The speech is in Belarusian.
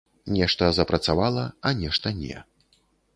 Нешта запрацавала, а нешта не.